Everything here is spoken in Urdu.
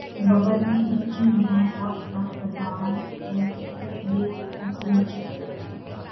بغل میں اس کی ہیں اب تک بتان عہد عتیق